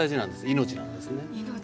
命なんですね。